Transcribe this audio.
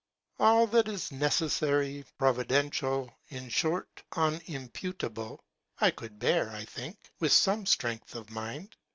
All that is necessary, providential—in short, uwnimputable —I could bear, I think, with some strength of mind.